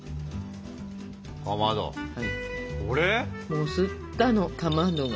もうすったのかまどが。